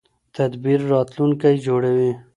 تدبیر راتلونکی جوړوي